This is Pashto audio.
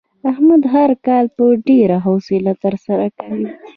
احمد هر کار په ډېره حوصله ترسره کوي.